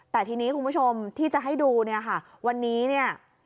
แต่ทีนี้คุณผู้ชมที่จะให้ดูเนี่ยค่ะวันนี้เนี่ย